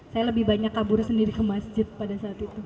saya lebih banyak kabur sendiri ke masjid pada saat itu